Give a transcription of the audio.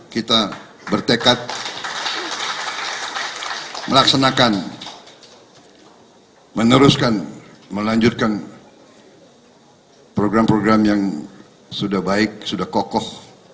kita bertekad melaksanakan meneruskan melanjutkan program program yang sudah baik sudah kokoh